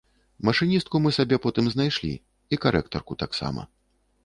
Машыністку мы сабе потым знайшлі і карэктарку таксама.